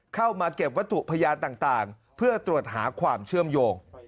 เข้ามาเก็บวัตถุพยานต่างเพื่อตรวจหาความเชื่อมโยง